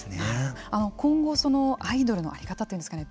今後、アイドルの在り方というんですかね。